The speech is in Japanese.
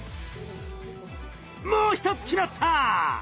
もう一つ決まった！